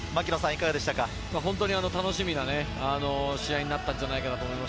楽しみな試合になったのではないかと思います。